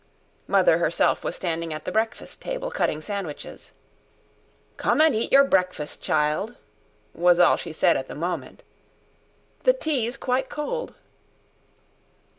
Mother herself was standing at the breakfast table cutting sandwiches. "Come and eat your breakfast, child," was all she said at the moment. "The tea's quite cold."